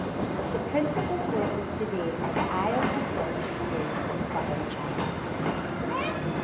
The principal sources today are the ion adsorption clays of southern China.